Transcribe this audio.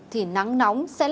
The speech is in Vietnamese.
thì nắng nóng sẽ lại giảm